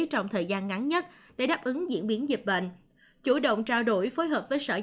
trong thời gian ngắn nhất để đáp ứng diễn biến dịch bệnh